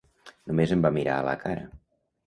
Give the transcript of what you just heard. Només em va mirar a la cara.